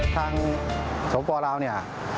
ทางสวบป่าวลาวเนี่ย